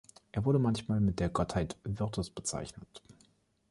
Er wurde manchmal mit der Gottheit Virtus bezeichnet.